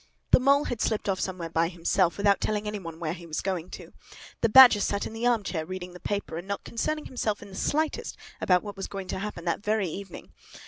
The Mole had slipped off somewhere by himself, without telling any one where he was going to. The Badger sat in the arm chair, reading the paper, and not concerning himself in the slightest about what was going to happen that very evening.